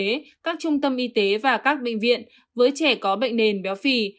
tiếp theo là ở các trạm y tế và các bệnh viện với trẻ có bệnh nền béo phì